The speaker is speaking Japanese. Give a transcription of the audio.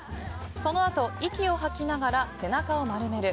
そのあと、息を吐きながら背中を丸める。